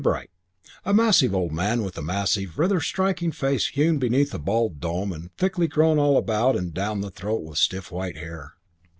Bright." A massive old man with a massive, rather striking face hewn beneath a bald dome and thickly grown all about and down the throat with stiff white hair.